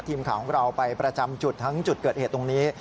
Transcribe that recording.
ทีมข่าวของเราไปประจำจุดทั้งจุดเกิดเหตุตรงนี้